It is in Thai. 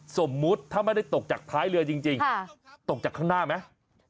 สมมุติถ้าไม่ได้ตกจากท้ายเรือจริงตกจากข้างหน้าไหม